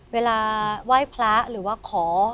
เวลาไหว้พระหรือว่าขอ